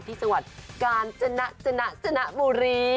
ที่สวัสดิ์กาลจนะจนะจนะบุรี